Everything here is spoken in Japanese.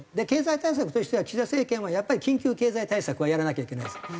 経済対策としては岸田政権はやっぱり緊急経済対策はやらなきゃいけないです。